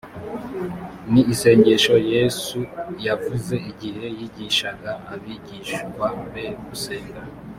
ni isengesho yesu yavuze igihe yigishaga abigishwa be gusenga